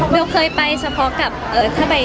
เบลค์เคยไปเฉพาะกับ